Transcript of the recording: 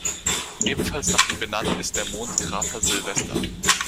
Ebenfalls nach ihm benannt ist der Mondkrater Sylvester.